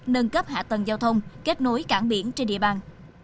nâng cấp hạ tầng giao thông kết nối cảng biển trên địa bàn